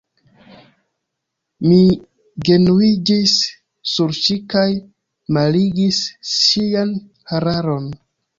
Mi genuiĝis sur ŝi kaj malligis ŝian hararon.